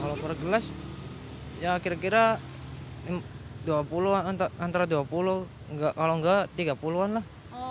kalau per gelas ya kira kira antara dua puluh kalau enggak tiga puluh an lah